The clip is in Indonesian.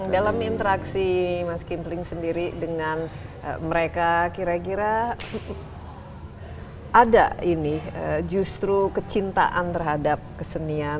dalam interaksi mas kimpling sendiri dengan mereka kira kira ada ini justru kecintaan terhadap kesenian